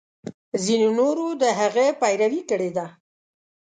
ځینو نورو د هغه پیروي کړې ده.